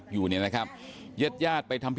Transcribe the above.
ยายก็นั่งร้องไห้ลูบคลำลงศพตลอดเวลา